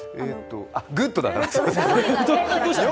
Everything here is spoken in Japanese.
グッドだから。